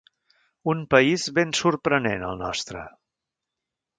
Un país ben sorprenent, el nostre.